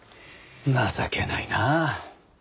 情けないなあ。